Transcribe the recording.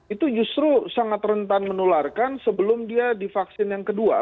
itu justru sangat rentan menularkan sebelum dia divaksin yang kedua